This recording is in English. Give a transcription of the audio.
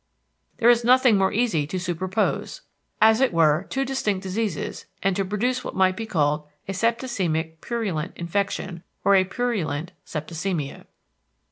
There is nothing more easy to superpose—as it were two distinct diseases and to produce what might be called a septicemic purulent infection, or a purulent septicemia.